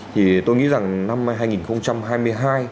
thì tôi nghĩ rằng năm hai nghìn hai mươi hai